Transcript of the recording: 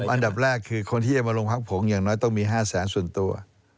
อันดับแรกคือคนที่จะมาลงพักผงอย่างน้อยต้องมี๕แสนส่วนตัว